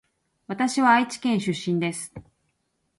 わたしは愛知県出身です